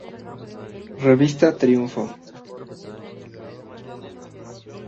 Revista Triunfo.